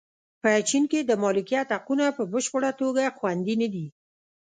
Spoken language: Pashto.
په چین کې د مالکیت حقونه په بشپړه توګه خوندي نه دي.